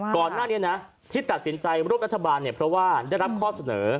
ก่อนหน้านี้นะที่ตัดสินใจร่วมรัฐบาลเนี่ยเพราะว่าได้รับข้อเสนอ